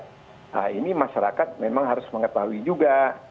nah ini masyarakat memang harus mengetahui juga